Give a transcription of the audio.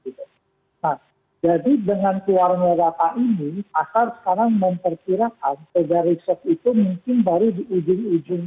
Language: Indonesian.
nah jadi dengan keluarnya data ini pasar sekarang memperkirakan fega research itu mungkin baru di ujung ujungnya